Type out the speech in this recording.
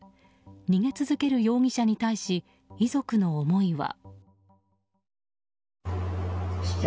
逃げ続ける容疑者に対し遺族の思いは。